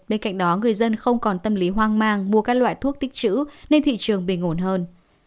bên cạnh đó người dân không còn tâm lý hoang mang mua các loại thuốc tích chữ nên thị trường bình ổn hơn